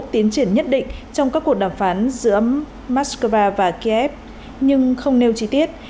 tiến triển nhất định trong các cuộc đàm phán giữa moscow và kiev nhưng không nêu chi tiết